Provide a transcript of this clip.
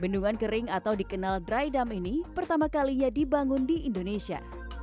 bendungan kering atau dikenal dry dump ini pertama kalinya dibangun di indonesia